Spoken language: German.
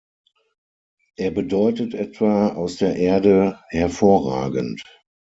Er bedeutet etwa „aus der Erde hervorragend“.